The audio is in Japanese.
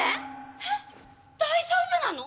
えっ大丈夫なの？